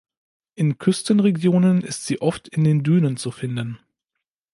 In Küstenregionen ist sie oft in den Dünen zu finden.